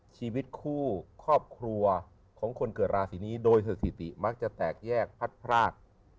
ชีวิตคู่ครอบครัวของคนเกิดราศีนี้โดยสถิติมักจะแตกแยกพัดพราก